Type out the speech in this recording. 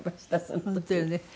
本当よね。